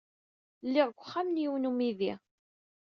Lliɣ deg uxxam n yiwen n umidi.